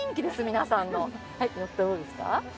皆さんのはいどうですか？